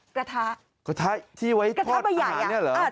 กระทะที่ไว้ทอดอาหารเนี่ยเหรอ